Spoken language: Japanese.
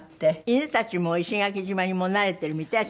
犬たちも石垣島にもう慣れてるみたい？